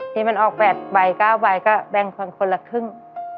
นี่มันออก๘ใบ๙ใบก็แบ่งคนคนละครึ่ง